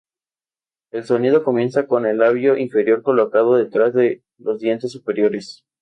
El sonido comienza con el labio inferior colocado detrás de los dientes superiores.